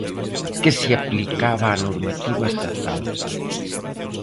Que se aplicaba a normativa estatal.